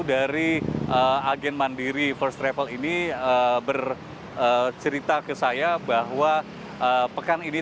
dari agen mandiri first travel ini bercerita ke saya bahwa pekan ini